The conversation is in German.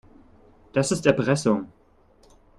Das ist Erpressung.